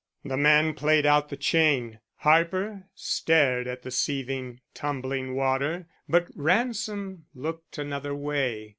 The man played out the chain; Harper stared at the seething, tumbling water, but Ransom looked another way.